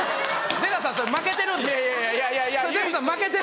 出川さん負けてるんですそれ。